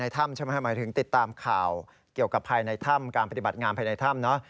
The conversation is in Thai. ที่ตามข่าวเกี่ยวกับภายในถ้ำการปฏิบัติงานภายในถ้ำเนอะ